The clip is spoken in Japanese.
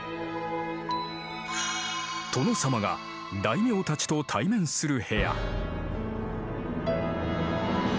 殿様が大名たちと対面する部屋。